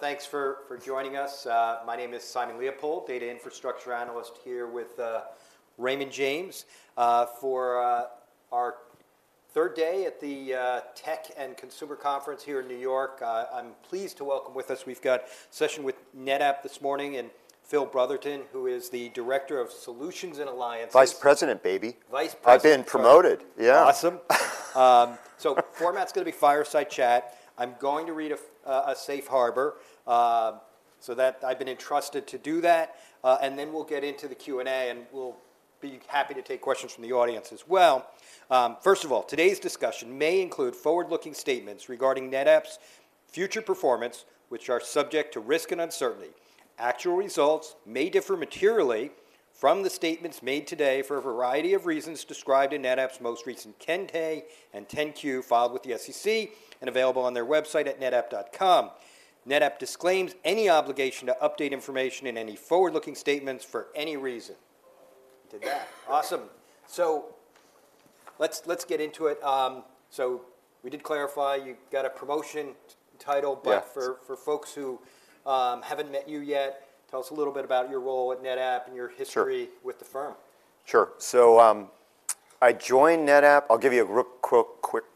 Thanks for joining us. My name is Simon Leopold, data infrastructure analyst here with Raymond James, for our third day at the Tech and Consumer Conference here in New York. I'm pleased to welcome with us; we've got a session with NetApp this morning, and Phil Brotherton, who is the director of Solutions and Alliances. Vice President, baby. Vice President. I've been promoted, yeah. Awesome. So format's gonna be fireside chat. I'm going to read a safe harbor, so that I've been entrusted to do that. And then we'll get into the Q&A, and we'll be happy to take questions from the audience as well. First of all, today's discussion may include forward-looking statements regarding NetApp's future performance, which are subject to risk and uncertainty. Actual results may differ materially from the statements made today for a variety of reasons described in NetApp's most recent 10-K and 10-Q filed with the SEC and available on their website at netapp.com. NetApp disclaims any obligation to update information in any forward-looking statements for any reason. Did that. Awesome. So let's get into it. So we did clarify, you got a promotion title- Yeah... but for folks who haven't met you yet, tell us a little bit about your role at NetApp and your history- Sure... with the firm. Sure. So, I joined NetApp—I'll give you a real quick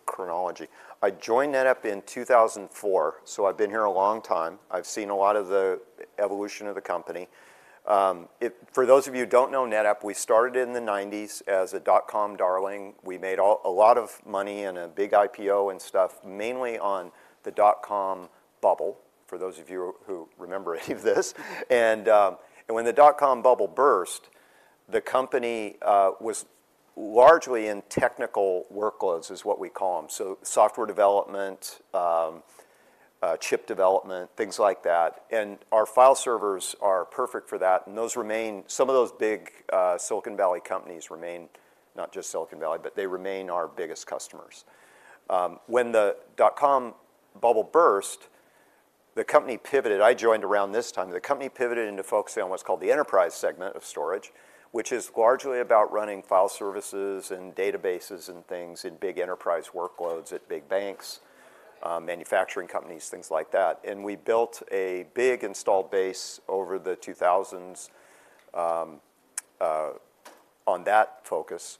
chronology. I joined NetApp in 2004, so I've been here a long time. I've seen a lot of the evolution of the company. For those of you who don't know NetApp, we started in the 1990s as a dot-com darling. We made a lot of money and a big IPO and stuff, mainly on the dot-com bubble, for those of you who remember any of this. And when the dot-com bubble burst, the company was largely in technical workloads, is what we call them, so software development, chip development, things like that. And our file servers are perfect for that, and those remain... Some of those big Silicon Valley companies remain, not just Silicon Valley, but they remain our biggest customers. When the dot-com bubble burst, the company pivoted. I joined around this time. The company pivoted into focusing on what's called the enterprise segment of storage, which is largely about running file services and databases and things in big enterprise workloads at big banks, manufacturing companies, things like that. And we built a big installed base over the two thousands on that focus.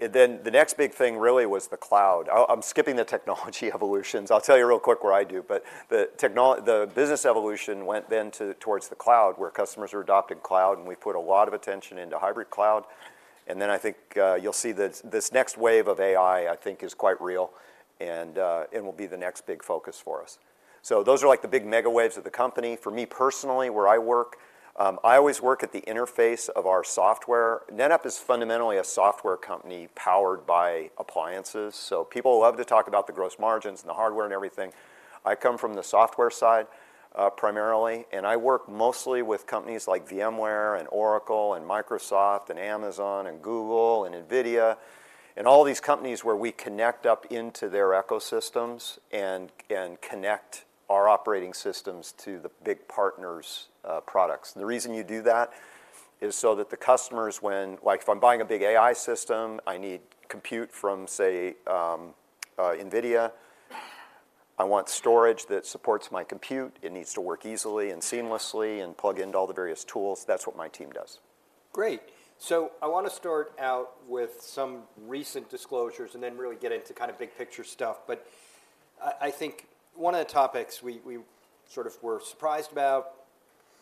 And then the next big thing really was the cloud. I'm skipping the technology evolutions. I'll tell you real quick what I do, but the business evolution went then towards the cloud, where customers are adopting cloud, and we put a lot of attention into hybrid cloud. And then I think you'll see that this next wave of AI, I think, is quite real and will be the next big focus for us. So those are, like, the big mega waves of the company. For me, personally, where I work, I always work at the interface of our software. NetApp is fundamentally a software company powered by appliances, so people love to talk about the gross margins and the hardware and everything. I come from the software side, primarily, and I work mostly with companies like VMware and Oracle, and Microsoft, and Amazon, and Google, and NVIDIA, and all these companies where we connect up into their ecosystems and, and connect our operating systems to the big partners', products. The reason you do that is so that the customers, when... Like, if I'm buying a big AI system, I need compute from, say, NVIDIA. I want storage that supports my compute. It needs to work easily and seamlessly and plug into all the various tools. That's what my team does. Great. So I want to start out with some recent disclosures and then really get into kind of big-picture stuff. But I, I think one of the topics we, we sort of were surprised about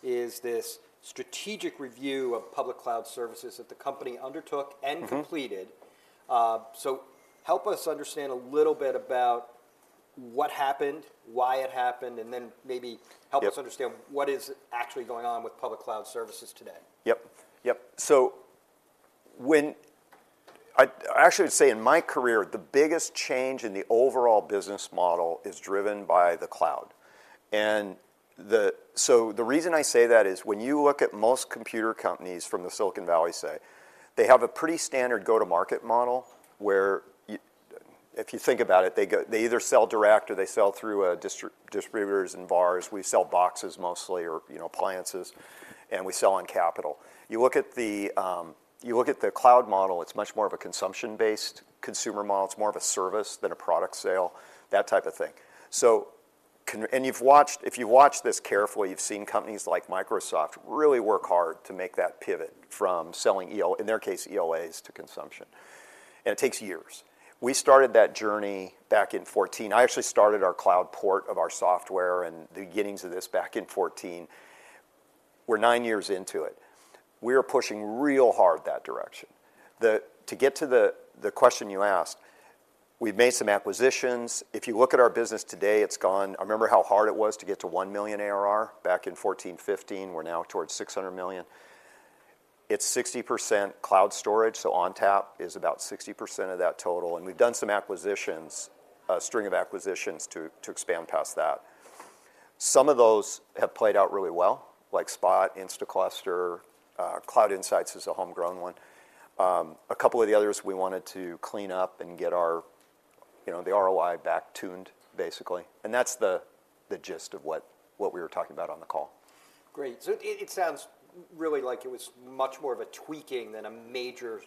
is this strategic review of public cloud services that the company undertook- Mm-hmm... and completed. So help us understand a little bit about what happened, why it happened, and then maybe- Yep... help us understand what is actually going on with public cloud services today. Yep, yep. So when I actually would say, in my career, the biggest change in the overall business model is driven by the cloud. So the reason I say that is, when you look at most computer companies from the Silicon Valley, say, they have a pretty standard go-to-market model, where if you think about it, they either sell direct or they sell through distributors and VARs. We sell boxes mostly or, you know, appliances, and we sell on capital. You look at the cloud model, it's much more of a consumption-based consumer model. It's more of a service than a product sale, that type of thing. If you've watched this carefully, you've seen companies like Microsoft really work hard to make that pivot from selling EO, in their case, EAs to consumption, and it takes years. We started that journey back in 2014. I actually started our cloud port of our software and the beginnings of this back in 2014. We're 9 years into it. We are pushing real hard that direction. To get to the question you asked, we've made some acquisitions. If you look at our business today, it's grown. I remember how hard it was to get to $1 million ARR back in 2014, 2015. We're now towards $600 million. It's 60% cloud storage, so ONTAP is about 60% of that total, and we've done some acquisitions, a string of acquisitions to expand past that. Some of those have played out really well, like Spot, Instaclustr, Cloud Insights is a homegrown one. A couple of the others we wanted to clean up and get our, you know, the ROI back tuned, basically, and that's the gist of what we were talking about on the call. Great. So it sounds really like it was much more of a tweaking than a major-...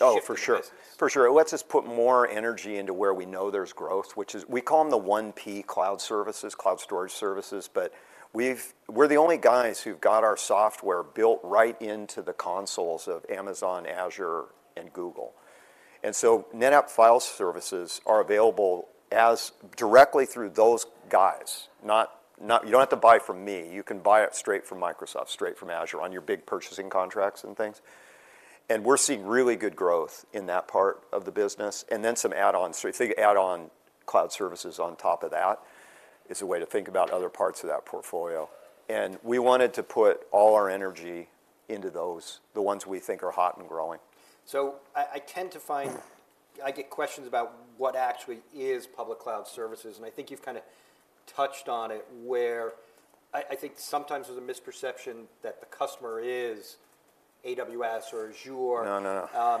Oh, for sure. For sure. It lets us put more energy into where we know there's growth, which is, we call them the 1P cloud services, cloud storage services. But we're the only guys who've got our software built right into the consoles of Amazon, Azure, and Google. And so NetApp file services are available directly through those guys. Not— You don't have to buy from me, you can buy it straight from Microsoft, straight from Azure, on your big purchasing contracts and things. And we're seeing really good growth in that part of the business, and then some add-ons. So if you think add-on cloud services on top of that is a way to think about other parts of that portfolio. And we wanted to put all our energy into those, the ones we think are hot and growing. So I tend to find... I get questions about what actually is public cloud services, and I think you've kind of touched on it, where I think sometimes there's a misperception that the customer is AWS or Azure. No, no, no. Um-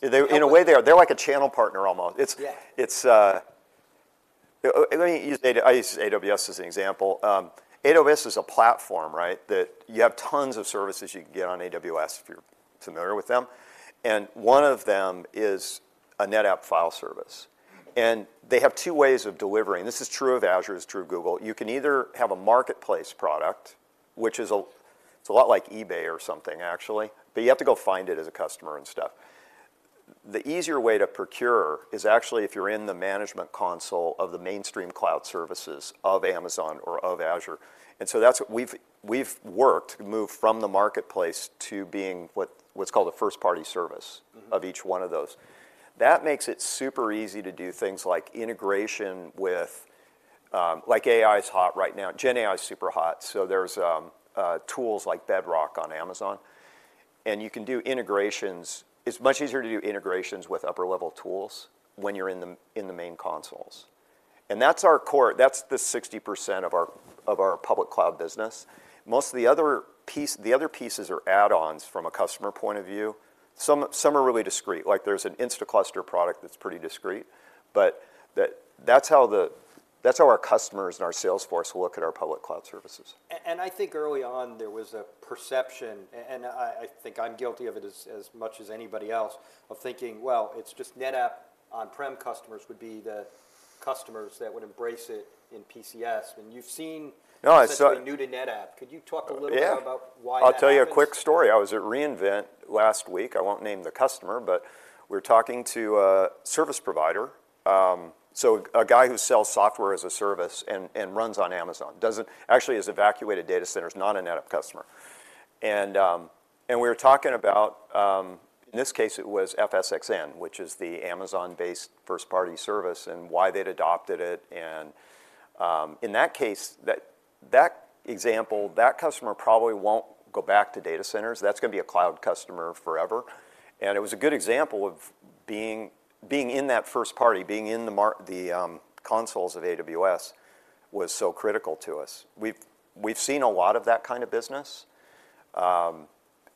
They, in a way, they are. They're like a channel partner almost. Yeah. It's. Let me use AWS as an example. AWS is a platform, right, that you have tons of services you can get on AWS, if you're familiar with them, and one of them is a NetApp file service. Mm-hmm. They have two ways of delivering. This is true of Azure, it's true of Google. You can either have a marketplace product, which is, it's a lot like eBay or something, actually, but you have to go find it as a customer and stuff. The easier way to procure is actually if you're in the management console of the mainstream cloud services of Amazon or of Azure, and so that's what we've worked to move from the marketplace to being what's called a first-party service. Mm-hmm... of each one of those. That makes it super easy to do things like integration with, like, AI is hot right now. Gen AI is super hot, so there's tools like Bedrock on Amazon, and you can do integrations. It's much easier to do integrations with upper-level tools when you're in the, in the main consoles. And that's our core, that's the 60% of our, of our public cloud business. Most of the other piece—the other pieces are add-ons from a customer point of view. Some are really discrete, like there's an Instaclustr product that's pretty discrete, but that's how the... That's how our customers and our sales force look at our public cloud services. And I think early on there was a perception, and I, I think I'm guilty of it as much as anybody else, of thinking: Well, it's just NetApp on-prem customers would be the customers that would embrace it in PCS. And you've seen- No, I-... somebody new to NetApp. Could you talk a little bit- Yeah about why that happens? I'll tell you a quick story. I was at re:Invent last week. I won't name the customer, but we were talking to a service provider, so a guy who sells software as a service and runs on Amazon, doesn't actually has evacuated data centers, not a NetApp customer. And we were talking about, in this case, it was FSxN, which is the Amazon-based first-party service, and why they'd adopted it. And, in that case, that example, that customer probably won't go back to data centers. That's gonna be a cloud customer forever. And it was a good example of being in that first party, being in the consoles of AWS, was so critical to us. We've seen a lot of that kind of business.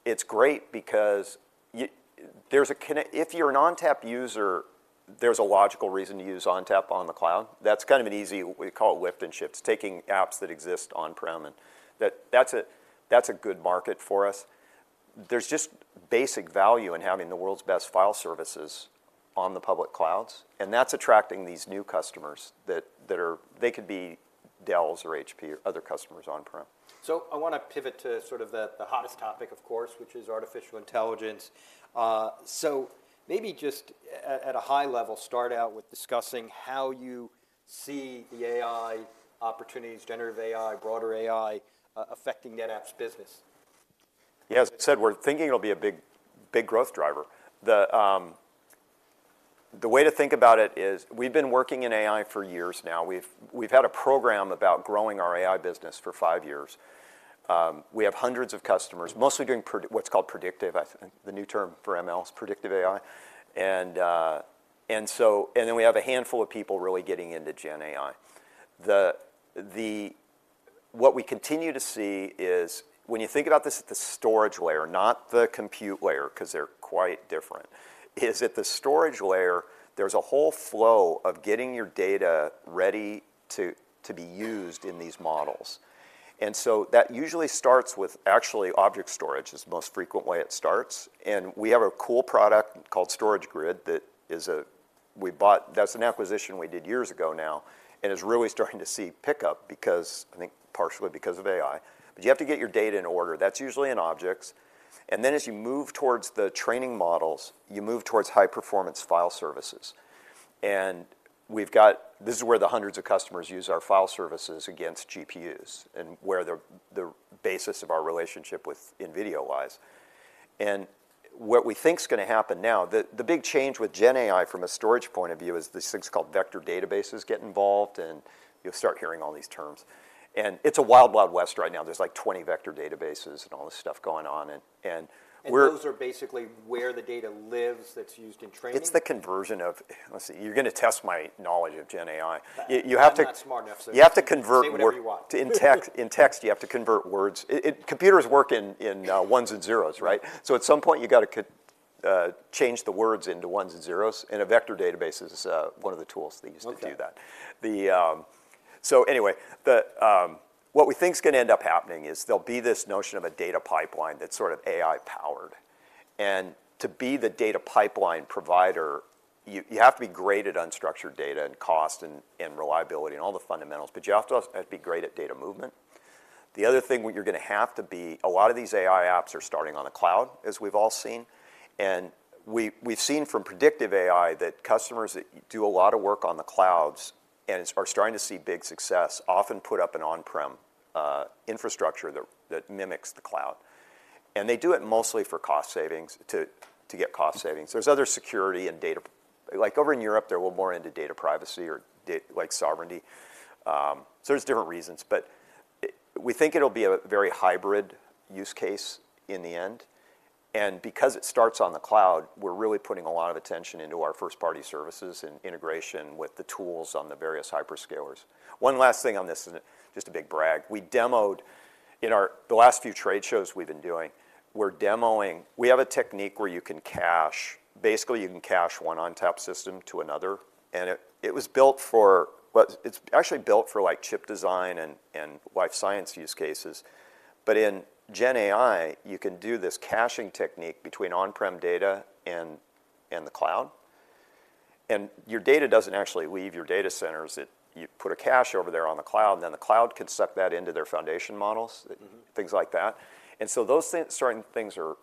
It's great because there's a connection if you're an ONTAP user. There's a logical reason to use ONTAP on the cloud. That's kind of an easy; we call it lift and shifts, taking apps that exist on-prem and that. That's a good market for us. There's just basic value in having the world's best file services on the public clouds, and that's attracting these new customers that are... They could be Dell or HP or other customers on-prem. So I want to pivot to sort of the hottest topic, of course, which is artificial intelligence. So maybe just at a high level, start out with discussing how you see the AI opportunities, generative AI, broader AI, affecting NetApp's business. Yeah, as I said, we're thinking it'll be a big, big growth driver. The way to think about it is we've been working in AI for years now. We've had a program about growing our AI business for five years. We have hundreds of customers, mostly doing what's called predictive. I think the new term for ML is predictive AI. And then we have a handful of people really getting into Gen AI. What we continue to see is, when you think about this at the storage layer, not the compute layer, 'cause they're quite different, is at the storage layer, there's a whole flow of getting your data ready to be used in these models. So that usually starts with, actually, object storage is the most frequent way it starts, and we have a cool product called StorageGRID. That's an acquisition we did years ago now, and it is really starting to see pickup because, I think, partially because of AI. But you have to get your data in order. That's usually in objects. And then, as you move towards the training models, you move towards high-performance file services. And we've got—this is where hundreds of customers use our file services against GPUs, and where the basis of our relationship with NVIDIA lies. And what we think is gonna happen now, the big change with Gen AI from a storage point of view, is these things called vector databases get involved, and you'll start hearing all these terms. And it's a wild, wild west right now. There's, like, 20 vector databases and all this stuff going on and, and we're- Those are basically where the data lives, that's used in training? It's the conversion of... Let's see, you're gonna test my knowledge of Gen AI. You, you have to- I'm not smart enough, so- You have to convert- Say whatever you want. In text, you have to convert words. Computers work in ones and zeros, right? So at some point, you gotta change the words into ones and zeros, and a vector database is one of the tools they use to do that. Okay. So anyway, what we think is gonna end up happening is there'll be this notion of a data pipeline that's sort of AI-powered. And to be the data pipeline provider, you have to be great at unstructured data and cost and reliability and all the fundamentals, but you also have to be great at data movement. The other thing you're gonna have to be, a lot of these AI apps are starting on the cloud, as we've all seen, and we've seen from predictive AI that customers that do a lot of work on the clouds and are starting to see big success, often put up an on-prem infrastructure that mimics the cloud. And they do it mostly for cost savings, to get cost savings. There's other security and data... Like, over in Europe, they're well more into data privacy or like, sovereignty. So there's different reasons, but we think it'll be a very hybrid use case in the end. And because it starts on the cloud, we're really putting a lot of attention into our first-party services and integration with the tools on the various hyperscalers. One last thing on this, and it's just a big brag. We demoed. In the last few trade shows we've been doing, we're demoing. We have a technique where you can cache, basically, you can cache one ONTAP system to another, and it was built for, well, it's actually built for, like, chip design and life science use cases. But in Gen AI, you can do this caching technique between on-prem data and the cloud, and your data doesn't actually leave your data centers. You put a cache over there on the cloud, and then the cloud can suck that into their foundation models. Mm-hmm... things like that. And so those things, certain things are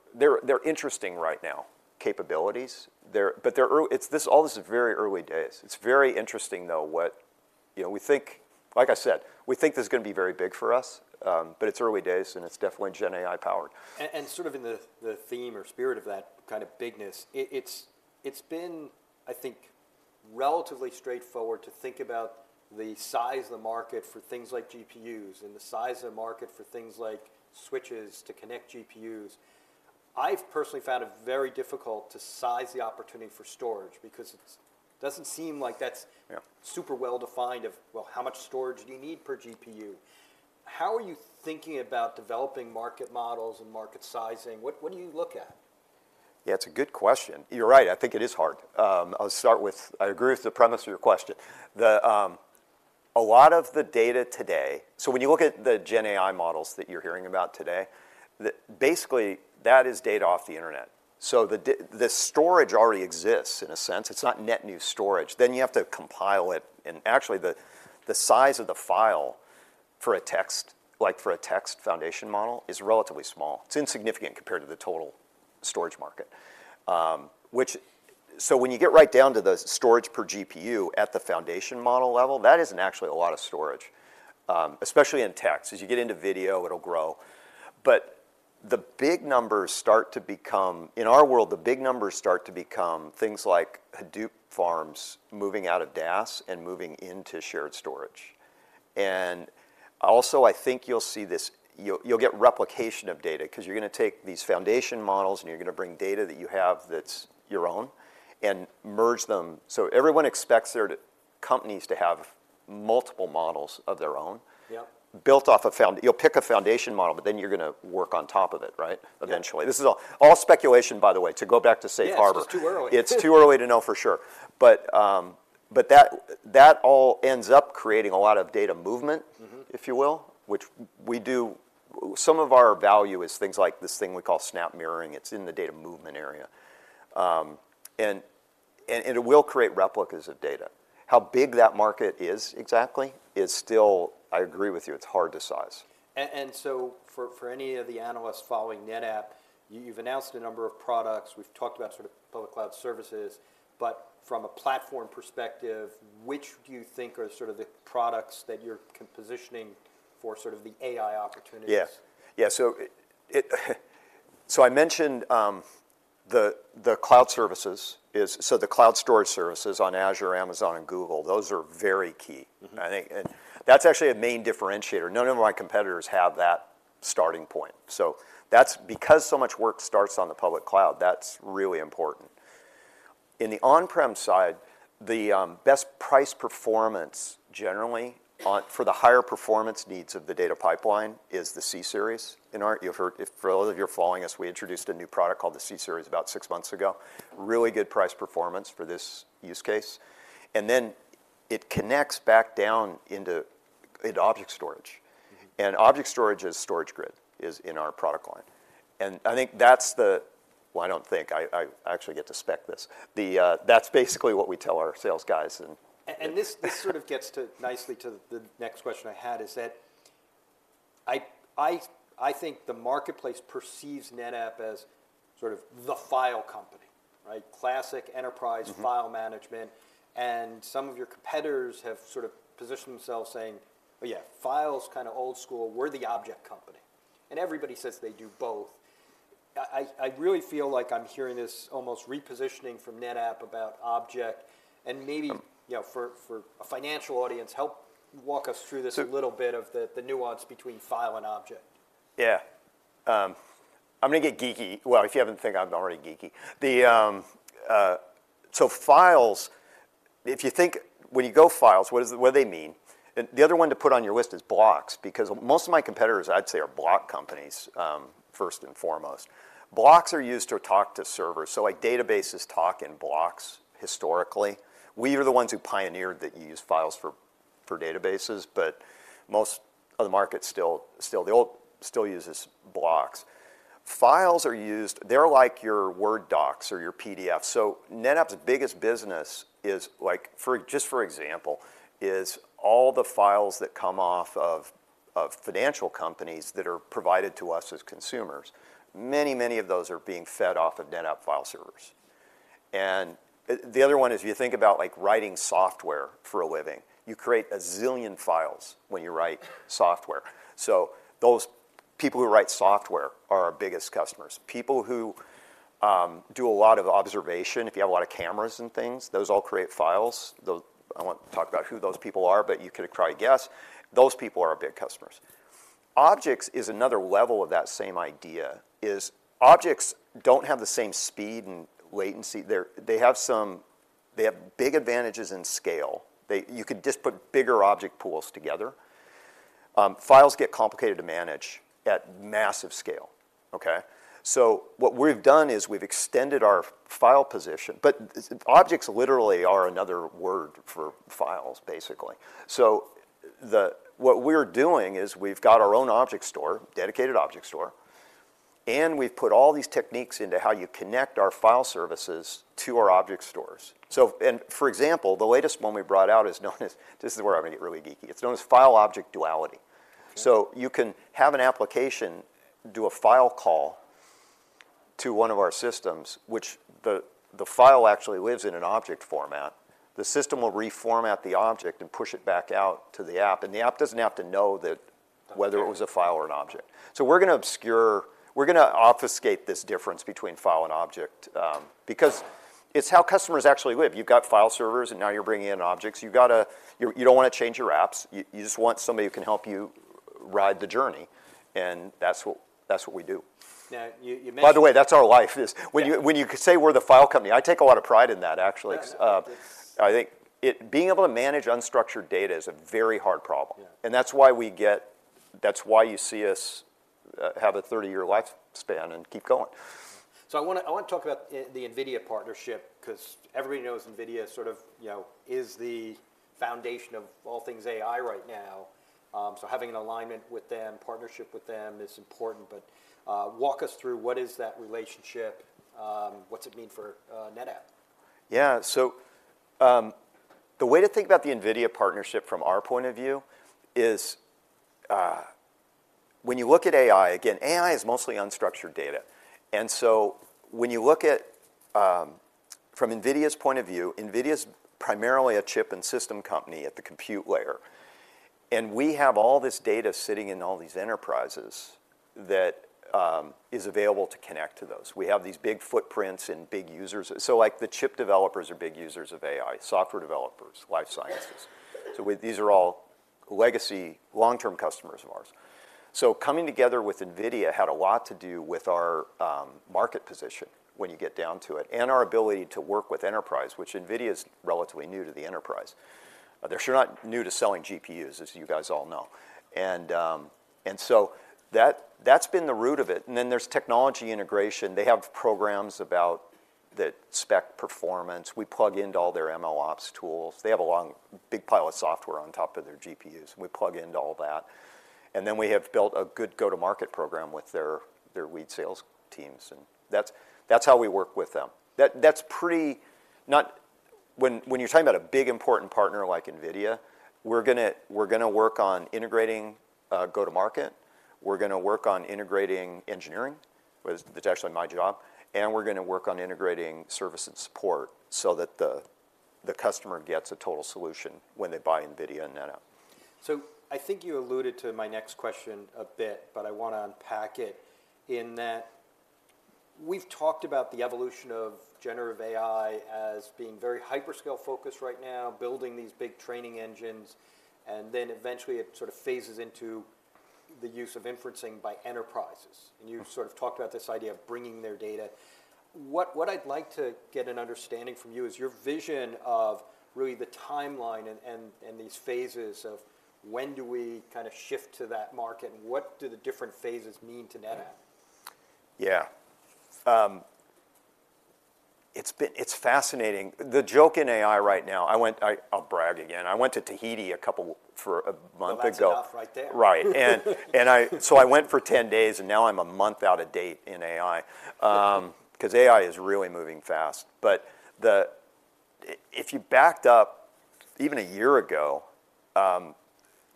interesting right now, capabilities. They're interesting, but they're early. All this is very early days. It's very interesting, though, what... You know, we think, like I said, we think this is gonna be very big for us, but it's early days, and it's definitely Gen AI powered. And sort of in the theme or spirit of that kind of bigness, it's been, I think, relatively straightforward to think about the size of the market for things like GPUs and the size of the market for things like switches to connect GPUs. I've personally found it very difficult to size the opportunity for storage because it doesn't seem like that's- Yeah... super well defined of, well, how much storage do you need per GPU? How are you thinking about developing market models and market sizing? What, what do you look at? Yeah, it's a good question. You're right, I think it is hard. I'll start with, I agree with the premise of your question. A lot of the data today—so when you look at the Gen AI models that you're hearing about today, basically, that is data off the internet. So the storage already exists, in a sense. It's not net new storage. Then you have to compile it, and actually, the size of the file for a text, like for a text foundation model, is relatively small. It's insignificant compared to the total storage market. So when you get right down to the storage per GPU at the foundation model level, that isn't actually a lot of storage, especially in text. As you get into video, it'll grow. The big numbers start to become, in our world, things like Hadoop farms moving out of DAS and moving into shared storage. And also, I think you'll see this—you'll get replication of data, 'cause you're gonna take these foundation models, and you're gonna bring data that you have that's your own and merge them. So everyone expects their to—companies to have multiple models of their own. Yep... built off a foundation. You'll pick a foundation model, but then you're gonna work on top of it, right? Yeah... eventually. This is all, all speculation, by the way, to go back to safe harbor. Yeah, it's too early. It's too early to know for sure. But that all ends up creating a lot of data movement- Mm-hmm ... if you will, which we do. Some of our value is things like this thing we call SnapMirror. It's in the data movement area. And it will create replicas of data. How big that market is exactly is still... I agree with you, it's hard to size. And so for any of the analysts following NetApp, you've announced a number of products. We've talked about sort of public cloud services, but from a platform perspective, which do you think are sort of the products that you're positioning for sort of the AI opportunities? Yes. Yeah, so I mentioned the cloud services. So the cloud storage services on Azure, Amazon, and Google, those are very key. Mm-hmm. I think, and that's actually a main differentiator. None of my competitors have that starting point. So that's, because so much work starts on the public cloud, that's really important. In the on-prem side, the best price performance generally on, for the higher performance needs of the data pipeline is the C-Series. You've heard, for those of you who are following us, we introduced a new product called the C-Series about six months ago. Really good price performance for this use case. And then it connects back down into object storage. Mm-hmm... and object storage is StorageGRID, is in our product line. And I think that's the... Well, I don't think I actually get to spec this. The, that's basically what we tell our sales guys, and, and - This sort of gets to, nicely, the next question I had, is that I think the marketplace perceives NetApp as sort of the file company, right? Classic enterprise- Mm-hmm... file management, and some of your competitors have sort of positioned themselves saying, "Oh yeah, file's kind of old school. We're the object company." And everybody says they do both. I really feel like I'm hearing this almost repositioning from NetApp about object, and maybe- Um... you know, for a financial audience, help walk us through this- Sure... a little bit of the nuance between file and object. Yeah. I'm gonna get geeky. Well, if you haven't think I'm already geeky. The, so files, if you think, when you go files, what does, what do they mean? And the other one to put on your list is blocks, because most of my competitors, I'd say, are block companies, first and foremost. Blocks are used to talk to servers, so, like, databases talk in blocks, historically. We were the ones who pioneered that you use files for databases, but most of the market still, still, they all still uses blocks. Files are used. They're like your Word docs or your PDFs. So NetApp's biggest business is, like, for, just for example, is all the files that come off of, of financial companies that are provided to us as consumers. Many, many of those are being fed off of NetApp file servers. The other one is, if you think about, like, writing software for a living, you create a zillion files when you write software. So those people who write software are our biggest customers. People who do a lot of observation, if you have a lot of cameras and things, those all create files. Those I won't talk about who those people are, but you could probably guess. Those people are our big customers. Objects is another level of that same idea, objects don't have the same speed and latency. They have some big advantages in scale. You could just put bigger object pools together. Files get complicated to manage at massive scale, okay? So what we've done is we've extended our file position, but objects literally are another word for files, basically. So what we're doing is we've got our own object store, dedicated object store, and we've put all these techniques into how you connect our file services to our object stores. So, and, for example, the latest one we brought out is known as... This is where I'm gonna get really geeky. It's known as File-Object Duality. Okay. So you can have an application do a file call to one of our systems, which the file actually lives in an object format. The system will reformat the object and push it back out to the app, and the app doesn't have to know that- Okay... whether it was a file or an object. So we're gonna obfuscate this difference between file and object, because it's how customers actually live. You've got file servers, and now you're bringing in objects. You've gotta. You don't wanna change your apps. You just want somebody who can help you ride the journey, and that's what we do. Now, you mentioned- By the way, that's our life is. Yeah. When you say we're the file company, I take a lot of pride in that, actually. Yeah, it's- I think it being able to manage unstructured data is a very hard problem. Yeah. That's why we get... That's why you see us have a 30-year lifespan and keep going. So I wanna, I wanna talk about the NVIDIA partnership, 'cause everybody knows NVIDIA is sort of, you know, is the foundation of all things AI right now. So having an alignment with them, partnership with them, is important. But, walk us through, what is that relationship? What's it mean for NetApp? Yeah. So, the way to think about the NVIDIA partnership from our point of view is, when you look at AI, again, AI is mostly unstructured data. And so when you look at, from NVIDIA's point of view, NVIDIA's primarily a chip and system company at the compute layer, and we have all this data sitting in all these enterprises that is available to connect to those. We have these big footprints and big users. So, like, the chip developers are big users of AI, software developers, life sciences. So these are all legacy long-term customers of ours. So coming together with NVIDIA had a lot to do with our market position when you get down to it, and our ability to work with enterprise, which NVIDIA is relatively new to the enterprise. They're sure not new to selling GPUs, as you guys all know. And so that's been the root of it. And then there's technology integration. They have programs about that spec performance. We plug into all their MLOps tools. They have a long, big pile of software on top of their GPUs, and we plug into all that. And then we have built a good go-to-market program with their lead sales teams, and that's how we work with them. When you're talking about a big, important partner like NVIDIA, we're gonna work on integrating go-to-market, we're gonna work on integrating engineering, which that's actually my job, and we're gonna work on integrating service and support so that the customer gets a total solution when they buy NVIDIA and NetApp. So I think you alluded to my next question a bit, but I wanna unpack it in that we've talked about the evolution of generative AI as being very hyperscale-focused right now, building these big training engines, and then eventually it sort of phases into the use of inferencing by enterprises. Mm. You sort of talked about this idea of bringing their data. What, what I'd like to get an understanding from you is your vision of really the timeline and these phases of when do we kind of shift to that market, and what do the different phases mean to NetApp? Yeah. It's been, it's fascinating. The joke in AI right now, I'll brag again. I went to Tahiti a couple, for a month ago. Well, that's enough right there. Right. So I went for 10 days, and now I'm a month out of date in AI, because AI is really moving fast. But if you backed up even a year ago,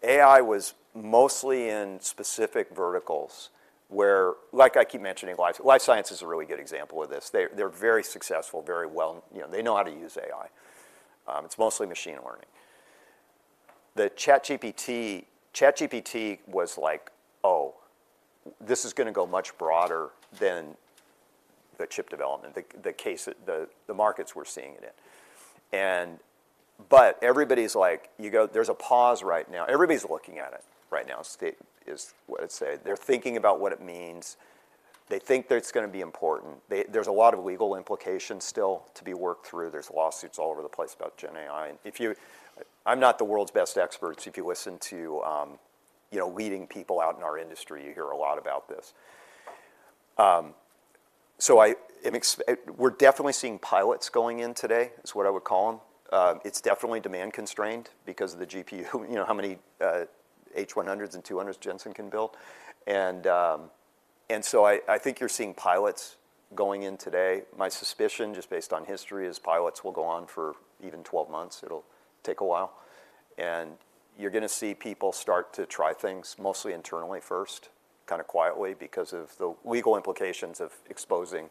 AI was mostly in specific verticals where, like I keep mentioning, life science is a really good example of this. They're very successful, very well. You know, they know how to use AI. It's mostly machine learning. The ChatGPT was like: Oh, this is gonna go much broader than the chip development, the case, the markets we're seeing it in. And but everybody's like. You go, "There's a pause right now." Everybody's looking at it right now, let's say. They're thinking about what it means. They think that it's gonna be important. There's a lot of legal implications still to be worked through. There's lawsuits all over the place about Gen AI. And if you—I'm not the world's best expert. So if you listen to, you know, leading people out in our industry, you hear a lot about this. So I, we're definitely seeing pilots going in today, is what I would call them. It's definitely demand constrained because of the GPU, you know, how many H100s and H200s Jensen can build. And so I, I think you're seeing pilots going in today. My suspicion, just based on history, is pilots will go on for even 12 months. It'll take a while, and you're going to see people start to try things mostly internally first, kind of quietly, because of the legal implications of exposing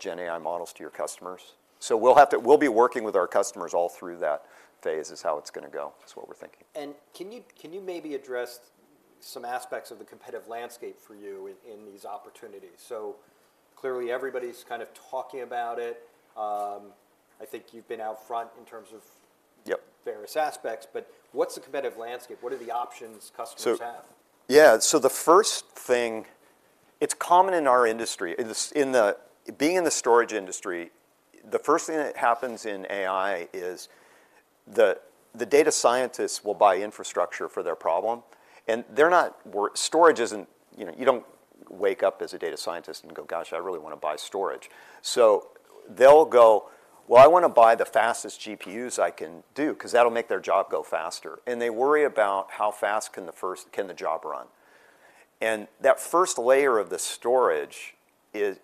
Gen AI models to your customers. So we'll have to—we'll be working with our customers all through that phase, is how it's going to go, is what we're thinking. Can you maybe address some aspects of the competitive landscape for you in these opportunities? So clearly, everybody's kind of talking about it. I think you've been out front in terms of- Yep various aspects, but what's the competitive landscape? What are the options customers have? So... yeah, so the first thing, it's common in our industry, in the storage industry, the first thing that happens in AI is the data scientists will buy infrastructure for their problem, and they're not worried—storage isn't... You know, you don't wake up as a data scientist and go, "Gosh, I really want to buy storage." So they'll go, "Well, I want to buy the fastest GPUs I can do," because that'll make their job go faster. And they worry about how fast can the job run. And that first layer of the storage is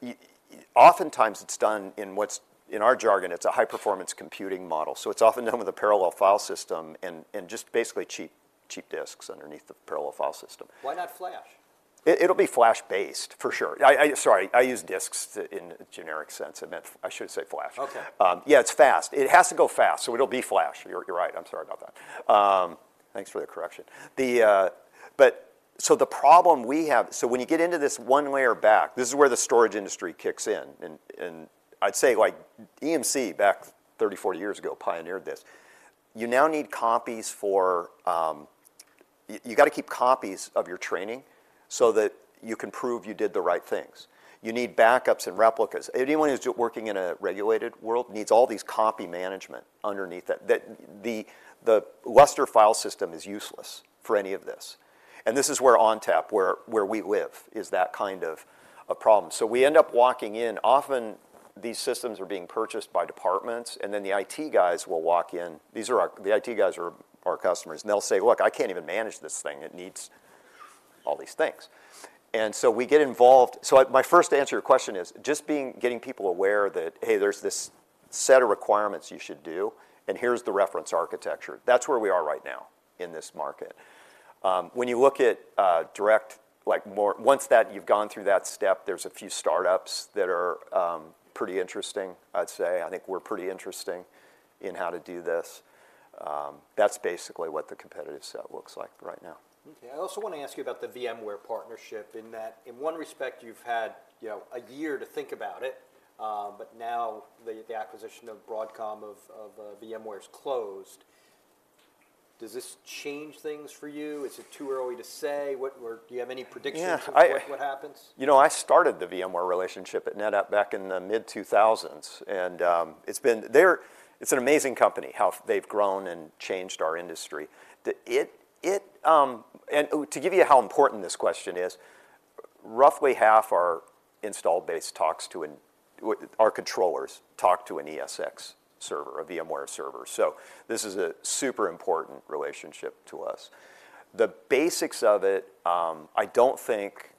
oftentimes done in what's, in our jargon, a high-performance computing model. So it's often known as a parallel file system and just basically cheap, cheap disks underneath the parallel file system. Why not flash? It'll be flash-based, for sure. Sorry, I use disks in a generic sense, and I shouldn't say flash. Okay. Yeah, it's fast. It has to go fast, so it'll be flash. You're right. I'm sorry about that. Thanks for the correction. So the problem we have. So when you get into this one layer back, this is where the storage industry kicks in, and I'd say, like EMC, back 30, 40 years ago, pioneered this. You now need copies for... You got to keep copies of your training so that you can prove you did the right things. You need backups and replicas. Anyone who's working in a regulated world needs all these copy management underneath that. The Lustre file system is useless for any of this, and this is where ONTAP, where we live, is that kind of a problem. So we end up walking in, often these systems are being purchased by departments, and then the IT guys will walk in. These are our, the IT guys are our customers, and they'll say, "Look, I can't even manage this thing. It needs all these things." And so we get involved. So my first answer to your question is, just getting people aware that, "Hey, there's this set of requirements you should do, and here's the reference architecture." That's where we are right now in this market. When you look at direct, once that, you've gone through that step, there's a few startups that are pretty interesting, I'd say. I think we're pretty interesting in how to do this. That's basically what the competitive set looks like right now. Okay, I also want to ask you about the VMware partnership in that, in one respect, you've had, you know, a year to think about it, but now, the acquisition of Broadcom of VMware is closed. Does this change things for you? Is it too early to say? Do you have any predictions? Yeah, I- as to like what happens? You know, I started the VMware relationship at NetApp back in the mid-2000s, and it's been. They're an amazing company, how they've grown and changed our industry. Oh, to give you how important this question is, roughly half our installed base talks to our controllers talk to an ESX server, a VMware server. So this is a super important relationship to us. The basics of it, I don't think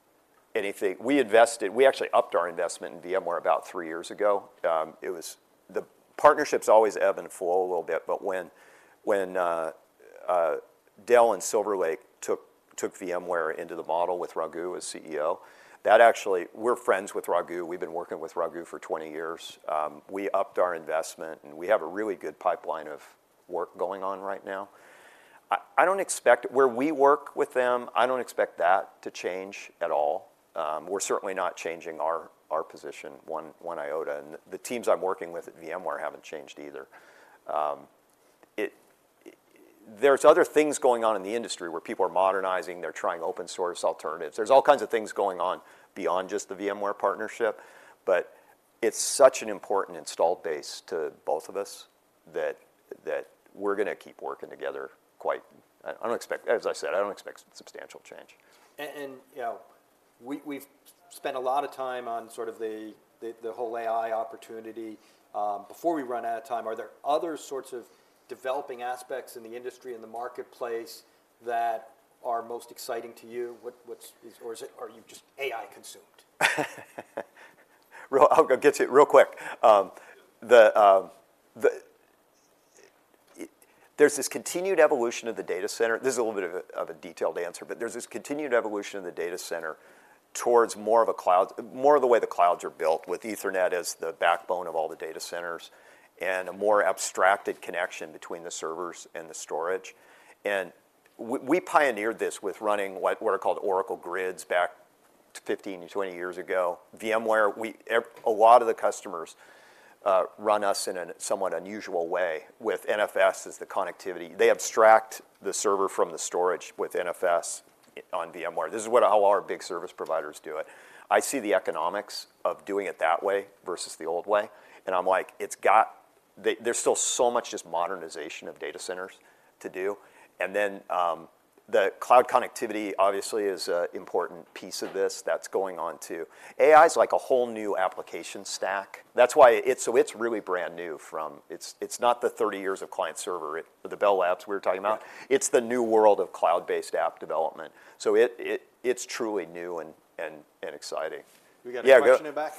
anything. We actually upped our investment in VMware about 3 years ago. The partnerships always ebb and flow a little bit, but when Dell and Silver Lake took VMware into the model with Raghu as CEO, that actually. We're friends with Raghu. We've been working with Raghu for 20 years. We upped our investment, and we have a really good pipeline of work going on right now. I don't expect, where we work with them, I don't expect that to change at all. We're certainly not changing our position one iota, and the teams I'm working with at VMware haven't changed either. There's other things going on in the industry, where people are modernizing, they're trying open-source alternatives. There's all kinds of things going on beyond just the VMware partnership, but it's such an important installed base to both of us that we're going to keep working together quite... I don't expect, as I said, I don't expect substantial change. You know, we've spent a lot of time on sort of the whole AI opportunity. Before we run out of time, are there other sorts of developing aspects in the industry and the marketplace that are most exciting to you? What's... Or is it, are you just AI-consumed? Well, I'll go get to it real quick. There's this continued evolution of the data center. This is a little bit of a detailed answer, but there's this continued evolution of the data center towards more of a cloud, more of the way the clouds are built, with Ethernet as the backbone of all the data centers and a more abstracted connection between the servers and the storage. And we pioneered this with running what were called Oracle grids back 15-20 years ago. VMware, we, a lot of the customers run us in a somewhat unusual way, with NFS as the connectivity. They abstract the server from the storage with NFS on VMware. This is what, how our big service providers do it. I see the economics of doing it that way versus the old way, and I'm like, "It's got-... There, there's still so much just modernization of data centers to do. And then, the cloud connectivity obviously is an important piece of this that's going on, too. AI's like a whole new application stack. That's why it's-- so it's really brand new from... It's, it's not the 30 years of client-server, it- the Bell Labs we were talking about. Right. It's the new world of cloud-based app development. So it's truly new and exciting. We got a question in the back?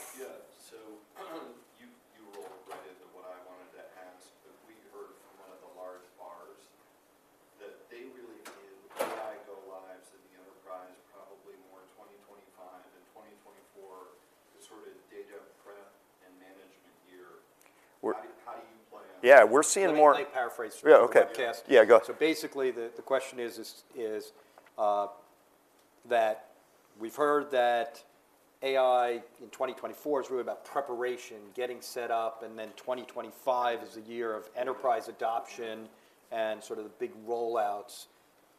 Yeah. So you, you rolled right into what I wanted to ask, but we heard from one of the large VARs that they really need AI go lives in the enterprise, probably more in 2025 than 2024, the sort of data prep and management year. We're- How do you plan- Yeah, we're seeing more- Let me paraphrase- Yeah, okay... for the podcast. Yeah, go. So basically, the question is that we've heard that AI in 2024 is really about preparation, getting set up, and then 2025 is the year of enterprise adoption and sort of the big rollouts.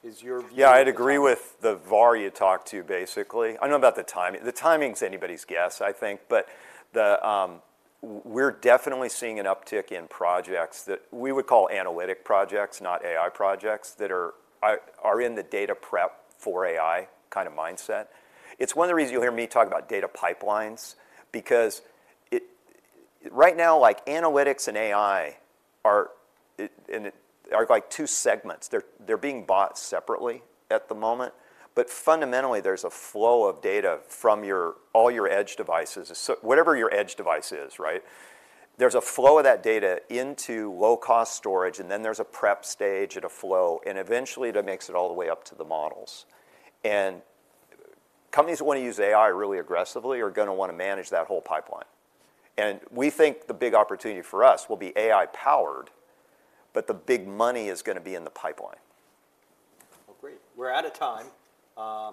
Is your view- Yeah, I'd agree with the VAR you talked to, basically. I don't know about the timing. The timing's anybody's guess, I think. But the, we're definitely seeing an uptick in projects that we would call analytic projects, not AI projects, that are in the data prep for AI kind of mindset. It's one of the reasons you'll hear me talk about data pipelines, because it, right now, like, analytics and AI are like two segments. They're being bought separately at the moment, but fundamentally, there's a flow of data from all your edge devices. So whatever your edge device is, right? There's a flow of that data into low-cost storage, and then there's a prep stage and a flow, and eventually, that makes it all the way up to the models. Companies that want to use AI really aggressively are gonna want to manage that whole pipeline, and we think the big opportunity for us will be AI-powered, but the big money is gonna be in the pipeline. Well, great. We're out of time.